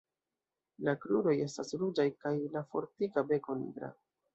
La kruroj estas ruĝaj kaj la fortika beko nigra.